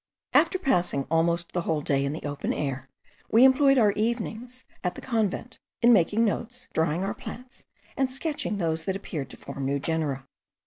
After passing almost the whole day in the open air, we employed our evenings, at the convent, in making notes, drying our plants, and sketching those that appeared to form new genera.